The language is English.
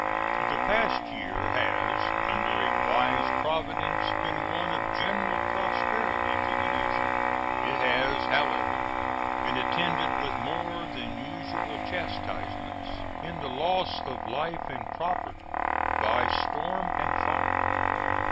The past year has, under a wise Providence, been one of general prosperity to the nation. It has, however, been attended with more than usual chastisements in the loss of life and property by storm and fire.